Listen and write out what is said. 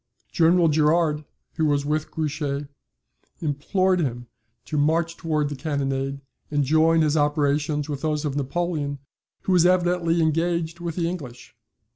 General Gerard, who was with Grouchy, implored him to march towards the cannonade, and join his operations with those of Napoleon, who was evidently engaged with the English.